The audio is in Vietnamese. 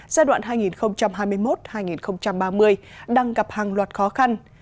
giai đoạn hai nghìn hai mươi một hai nghìn ba mươi đang gặp hàng loạt khó khăn